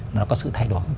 nó có sự thay đổi